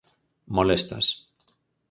Molestas.